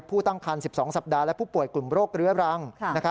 ผู้ตั้งคัน๑๒สัปดาห์และผู้ป่วยกลุ่มโรคเรื้อรัง